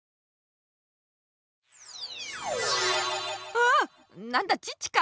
ああなんだチッチか。